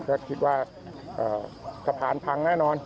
ก็คิดว่าสะพานพังแน่นอน